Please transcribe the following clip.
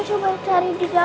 ibu aku dia